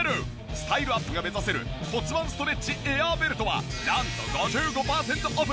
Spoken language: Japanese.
スタイルアップが目指せる骨盤ストレッチエアーベルトはなんと５５パーセントオフ。